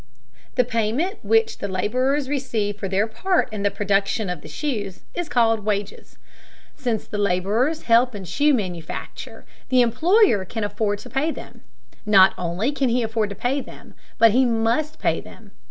The payment which the laborers receive for their part in the production of the shoes is called wages. Since the laborers help in shoe manufacture, the employer can afford to pay them. Not only can he afford to pay them, but he must pay them.